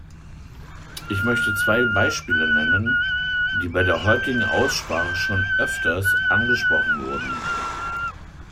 Ich möchte zwei Beispiele nennen, die bei der heutigen Aussprache schon öfters angesprochen wurden.